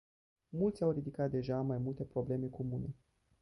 Mulți au ridicat deja mai multe probleme comune.